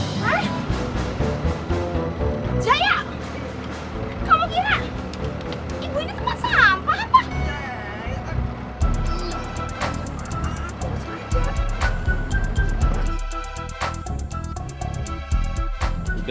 jaya kamu kira ibu ini tempat sampah apa